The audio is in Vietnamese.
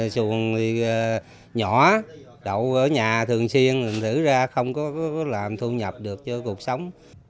xuồng thì nhỏ đậu ở nhà thường xuyên mình thử ra không có làm thu nhập được cho cuộc sống